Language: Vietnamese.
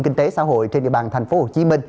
kinh tế xã hội trên địa bàn tp hcm